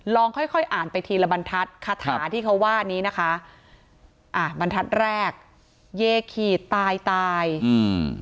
ค่อยค่อยอ่านไปทีละบรรทัศน์คาถาที่เขาว่านี้นะคะอ่าบรรทัศน์แรกเยขีดตายตายอืม